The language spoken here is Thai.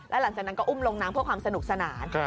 หลังจากนั้นก็อุ้มลงน้ำเพื่อความสนุกสนาน